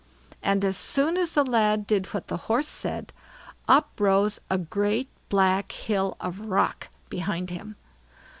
And as soon as the lad did what the Horse said, up rose a great black hill of rock behind him.